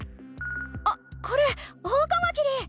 あっこれオオカマキリ！